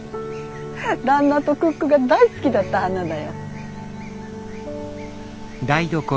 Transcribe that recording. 旦那とクックが大好きだった花だよ。